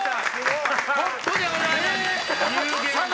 トップでございます